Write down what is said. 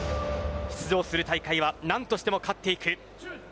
出場する大会は何としても勝っていく。